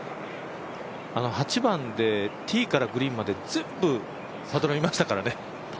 ８番でティーからグリーンまでパトロンさんいましたからね。